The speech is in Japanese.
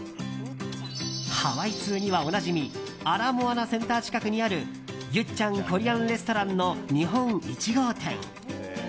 ハワイ通にはおなじみアラモアナセンター近くにあるユッチャンコリアンレストランの日本１号店。